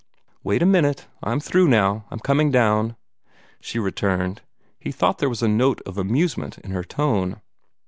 "Wait a minute. I'm through now. I'm coming down," she returned. He thought there was a note of amusement in her tone.